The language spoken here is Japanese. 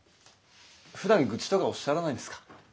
ふだん愚痴とかおっしゃらないんですか？